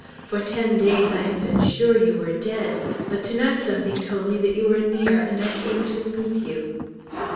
For ten days I have been sure you were dead; but to night something told me that you were near, and I came to meet you."